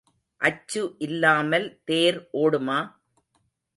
அச்சு இல்லாமல் தேர் ஓடுமா?